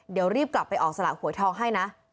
เดี๋ยวรีบกลับไปออกสลากหวยทองให้นะ